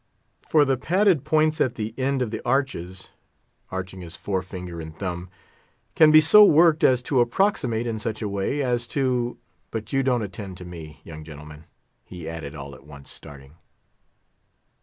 For the padded points at the end of the arches"—arching his forefinger and thumb—"can be so worked as to approximate in such a way, as to—but you don't attend to me, young gentlemen," he added, all at once starting.